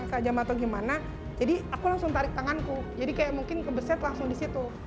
saya tidak tahu bagaimana jadi aku langsung tarik tanganku jadi mungkin kebeset langsung di situ